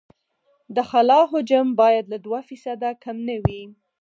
د خلا حجم باید له دوه فیصده کم نه وي